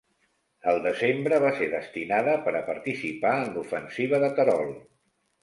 Al desembre va ser destinada per a participar en l'Ofensiva de Terol.